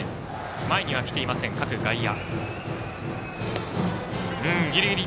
前には来ていません、各外野。